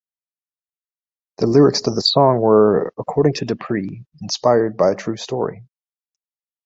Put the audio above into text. The lyrics to the song were, according to Dupri, inspired by a true story.